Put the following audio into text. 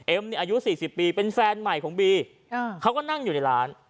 อายุ๔๐ปีเป็นแฟนใหม่ของบีเขาก็นั่งอยู่ในร้าน